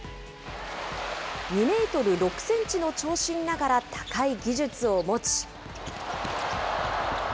２メートル６センチの長身ながら、高い技術を持ち。